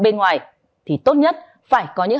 bên ngoài thì tốt nhất phải có những